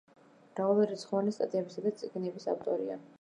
მრავალრიცხოვანი სტატიებისა და წიგნების ავტორია.